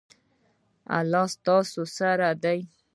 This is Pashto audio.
الله ستاسو سره دی